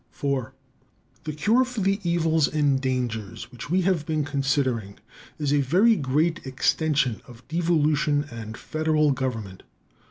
IV The cure for the evils and dangers which we have been considering is a very great extension of devolution and federal government.